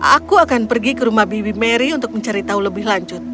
aku akan pergi ke rumah bibi mary untuk mencari tahu lebih lanjut